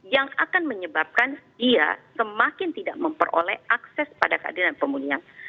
yang akan menyebabkan dia semakin tidak memperoleh akses pada keadilan pemulihan